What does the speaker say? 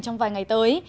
trong vài ngày tới